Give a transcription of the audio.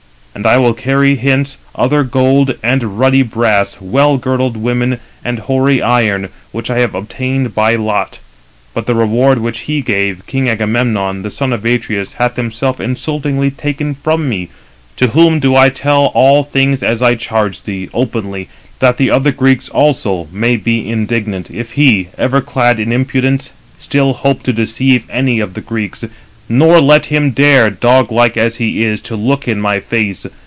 308 And I will carry hence other gold and ruddy brass, well girdled women, and hoary iron, which I have obtained by lot. But the reward which he gave, king Agamemnon, the son of Atreus, hath himself insultingly taken from me: to whom do thou tell all things as I charge thee, openly, that the other Greeks also may be indignant, if he, ever clad in impudence, still hope to deceive any of the Greeks; nor let him dare, dog like as he is, to look in my face.